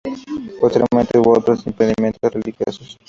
Posteriormente hubo otros emprendimientos religiosos.